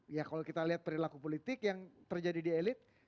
ya kalau kita lihat perilaku politik yang terjadi di elit